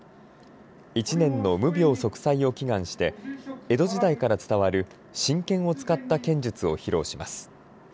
１年の無病息災を祈願して江戸時代から伝わる真剣を使った剣術を披露します。